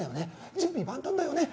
準備万端だよね？